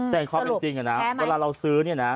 แต่ครอบจริงนะเวลาเราซื้อเนี่ยนะ